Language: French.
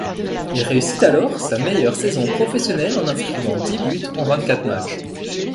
Il réussit alors sa meilleure saison professionnelle en inscrivant dix buts en vingt-quatre matchs.